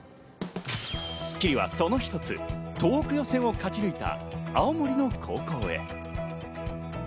『スッキリ』はその一つ、東北予選を勝ち抜いた青森の高校へ。